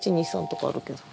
「１２３」とかあるけど。